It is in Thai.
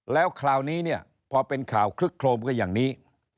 แล้วคราวนี้เนี่ยพอเป็นข่าวคลึกโครมก็อย่างนี้